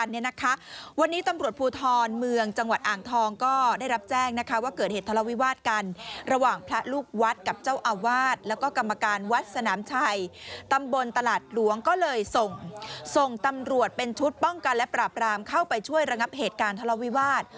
แล้วก็กรรมการวัดสนามชัยตำบลตลาดหลวงก็เลยส่งส่งตำรวจเป็นชุดป้องกันและปราบรามเข้าไปช่วยระงับเหตุการณ์ทะเลาวิวาส